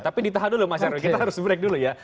tapi ditahan dulu mas nyarwi kita harus break dulu ya